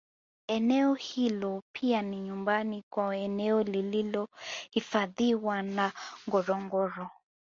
Eneo hilo pia ni nyumbani kwa eneo lililohifadhiwa la Ngorongoro